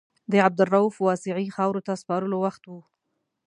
د عبدالرؤف واسعي خاورو ته سپارلو وخت و.